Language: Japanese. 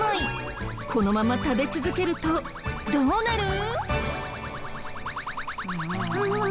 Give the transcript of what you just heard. このまま食べ続けるとどうなる？